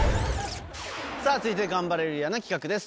さぁ続いてはガンバレルーヤの企画です。